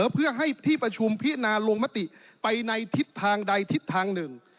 เพื่อให้ที่ประชุมพิจารณาลงมติไปในทิศทางใดทิศทางหนึ่ง